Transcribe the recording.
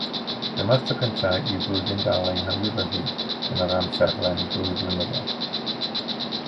Dyma'r tro cyntaf i flwyddyn gael ei hanwybyddu yn yr amserlen ddwyflynyddol.